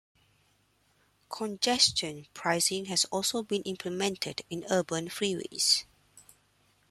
Congestion pricing has also been implemented in urban freeways.